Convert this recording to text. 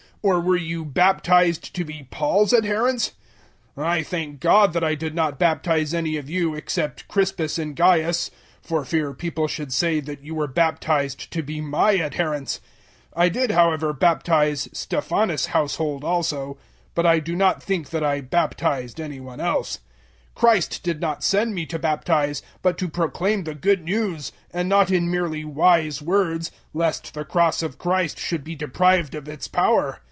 Or were you baptized to be Paul's adherents? 001:014 I thank God that I did not baptize any of you except Crispus and Gaius 001:015 for fear people should say that you were baptized to be my adherents. 001:016 I did, however, baptize Stephanas' household also: but I do not think that I baptized any one else. 001:017 Christ did not send me to baptize, but to proclaim the Good News; and not in merely wise words lest the Cross of Christ should be deprived of its power.